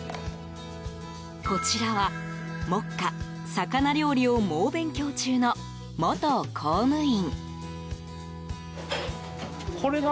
こちらは目下魚料理を猛勉強中の元公務員。